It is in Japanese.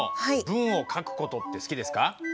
文を書く事って好きですか？